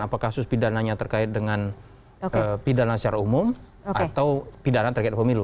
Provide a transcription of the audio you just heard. apakah kasus pidananya terkait dengan pidana secara umum atau pidana terkait pemilu